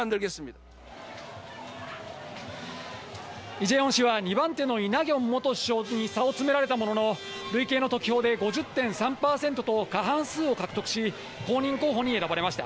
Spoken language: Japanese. イ・ジェミョン氏は２番手のイ・ナギョン元首相に差を詰められたものの、累計の得票で５０．３％と過半数を獲得し、公認候補に選ばれました。